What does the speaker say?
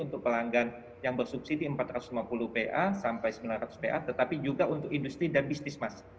untuk pelanggan yang bersubsidi empat ratus lima puluh pa sampai sembilan ratus pa tetapi juga untuk industri dan bisnis mas